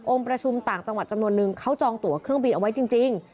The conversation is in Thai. ประชุมต่างจังหวัดจำนวนนึงเขาจองตัวเครื่องบินเอาไว้จริง